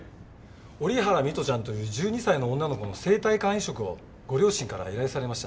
折原美都ちゃんという１２歳の女の子の生体肝移植をご両親から依頼されました。